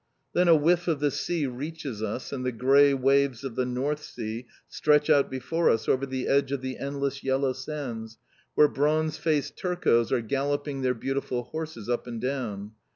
Then a whiff of the sea reaches us and the grey waves of the North Sea stretch out before us over the edge of the endless yellow sands, where bronze faced Turcos are galloping their beautiful horses up and down.